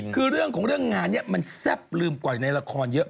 คือเรื่องของเรื่องงานนี้มันแซ่บลืมกว่าในละครเยอะ